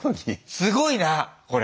すごいなこれ。